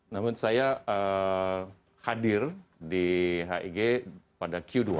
namun saya hadir di hig pada q dua puluh